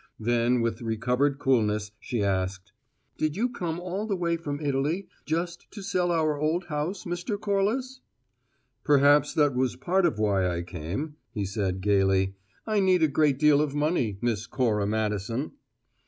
Then, with recovered coolness, she asked: "Did you come all the way from Italy just to sell our old house, Mr. Corliss?" "Perhaps that was part of why I came," he said, gayly. "I need a great deal of money, Miss Cora Madison."